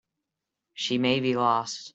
She may be lost.